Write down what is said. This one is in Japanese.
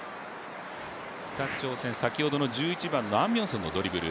北朝鮮、先ほどの１１番のアン・ミョンソンのドリブル。